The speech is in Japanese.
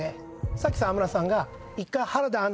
さっき沢村さんが１回。